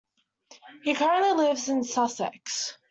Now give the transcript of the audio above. He currently lives in Sussex.